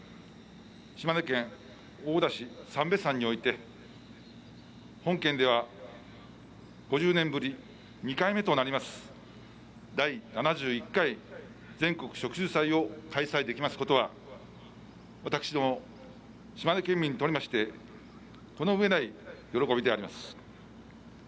島根県大田市三瓶山において本県では５０年ぶり２回目となります「第７１回全国植樹祭」を開催できますことは私ども島根県民にとりましてこの上ない喜びであります。